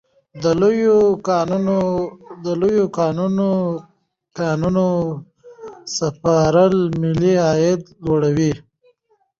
د لویو کانونو قانوني سپارل ملي عاید لوړوي.